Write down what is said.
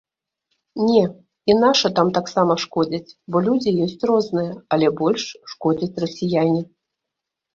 Не, і нашы там таксама шкодзяць, бо людзі ёсць розныя, але больш шкодзяць расіяне.